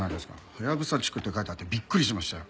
ハヤブサ地区って書いてあってびっくりしましたよ。